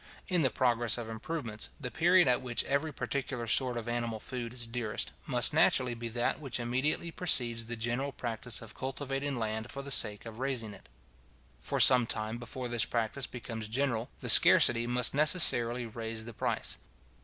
In the progress of improvements, the period at which every particular sort of animal food is dearest, must naturally be that which immediately precedes the general practice of cultivating land for the sake of raising it. For some time before this practice becomes general, the scarcity must necessarily raise the price.